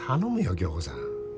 響子さん